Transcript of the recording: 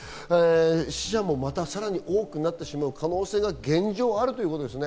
死者また更に多くなってしまう可能性がある現状があるということですね。